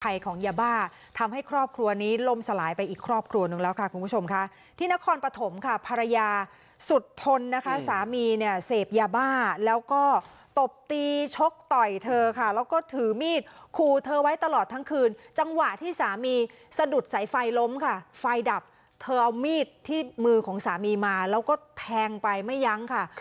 ยาบ้าทำให้ครอบครัวนี้ลมสลายไปอีกครอบครัวหนึ่งแล้วค่ะคุณผู้ชมค่ะที่นครปฐมค่ะภรรยาสุดทนนะคะสามีเนี่ยเสพยาบ้าแล้วก็ตบตีชกต่อยเธอค่ะแล้วก็ถือมีดขู่เธอไว้ตลอดทั้งคืนจังหวะที่สามีสะดุดสายไฟล้มค่ะไฟดับเธอเอามีดที่มือของสามีมาแล้วก็แทงไปไม่ยั้งค่ะ